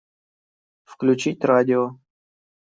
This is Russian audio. Включить радио.